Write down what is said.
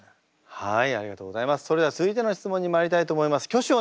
はい。